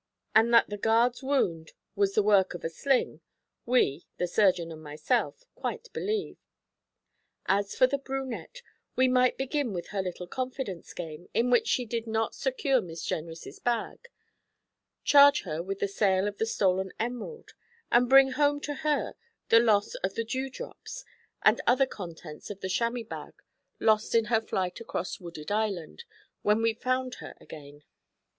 And that the guard's wound was the work of a sling, we the surgeon and myself quite believed. As for the brunette, we might begin with her little confidence game, in which she did not secure Miss Jenrys' bag; charge her with the sale of the stolen emerald, and bring home to her the loss of the 'dew drops' and other contents of the chamois bag lost in her flight across Wooded Island when we found her again.